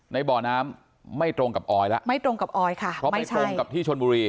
ในบ่อน้ำไม่ตรงกับออยแล้วไม่ตรงกับออยค่ะเพราะไม่ตรงกับที่ชนบุรี